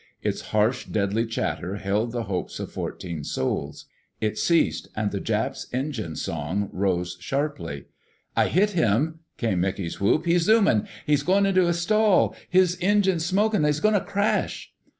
Its harsh, deadly chatter held the hopes of fourteen souls. It ceased, and the Jap's engine song rose sharply. "I hit him!" came Mickey's whoop. "He's zoomin'.... He's goin' into a stall.... His engine's smokin' and he's goin' to crash!"